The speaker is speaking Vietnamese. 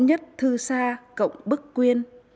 hỗn nhất thư xa cộng bức quyên